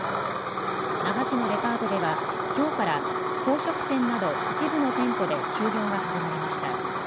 那覇市のデパートではきょうから宝飾店など一部の店舗で休業が始まりました。